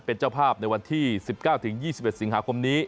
เป็นเจ้าภาพในวันที่๑๙๒๑สิงหาคมนี้